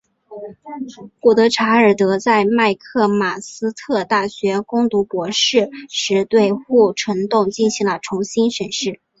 古德柴尔德在麦克马斯特大学攻读博士时对护城洞进行了重新审视。